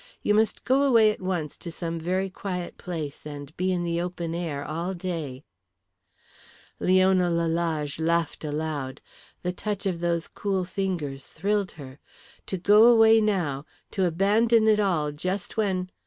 You must go away at once to some very quiet place and be in the open air all day " Leona Lalage laughed aloud. The touch of those cool fingers thrilled her. To go away now, to abandon it all just when